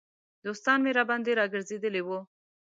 دوستان مې راباندې را ګرځېدلي وو.